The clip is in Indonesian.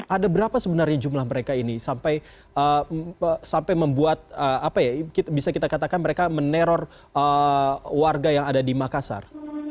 ada berapa sebenarnya jumlah mereka ini sampai membuat apa ya bisa kita katakan mereka meneror warga yang ada di makassar